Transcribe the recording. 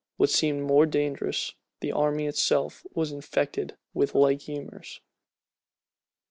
[*] What seemed more dangerous, the army itself was infected with like humors.